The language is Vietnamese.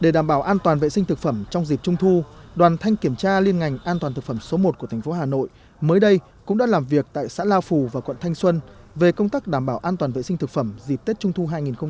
để đảm bảo an toàn vệ sinh thực phẩm trong dịp trung thu đoàn thanh kiểm tra liên ngành an toàn thực phẩm số một của thành phố hà nội mới đây cũng đã làm việc tại xã lao phù và quận thanh xuân về công tác đảm bảo an toàn vệ sinh thực phẩm dịp tết trung thu hai nghìn hai mươi